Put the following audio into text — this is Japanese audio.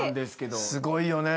すごいよね。